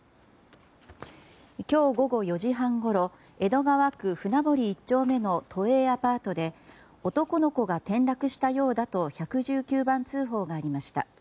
今日午後４時半ごろ江戸川区船堀１丁目の都営アパートで男の子が転落したようだと１１９番通報がありました。